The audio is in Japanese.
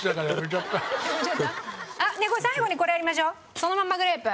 そのまんまグレープ